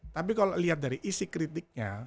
tapi kalau lihat dari isi kritiknya